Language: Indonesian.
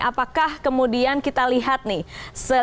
apakah kemudian kita lihat nih